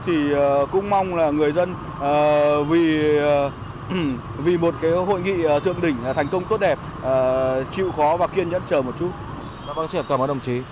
thì cũng mong là người dân vì một hội nghị thượng đỉnh thành công tốt đẹp chịu khó và kiên nhẫn chờ một chút